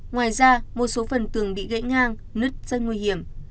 ngoài ra một số phần tường bị gãy ngang nứt rất nguy hiểm